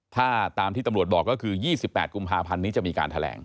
ถ้าตามที่ตำรวจบอกก็คือ๒๘กุมภาพันธ์นี้จะมีการแถลง